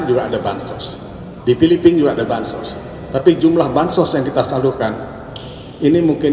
juga ada bansos di filipina juga ada bansos tapi jumlah bansos yang kita salurkan ini mungkin